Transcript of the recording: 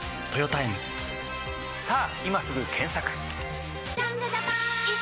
さぁ今すぐ検索！